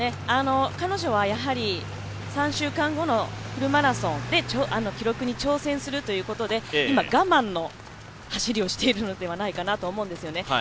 彼女は３週間後のフルマラソンで記録に挑戦するということで今、我慢の走りをしているのではないかなと思うんですよね。